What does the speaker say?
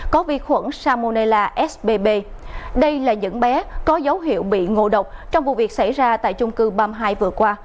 có vi khuẩn salmonella sbb đây là những bé có dấu hiệu bị ngộ độc trong vụ việc xảy ra tại chung cư ba mươi hai vừa qua